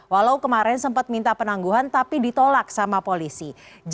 walau kemarin sempat minta penangguhan tapi ditolak sama polisi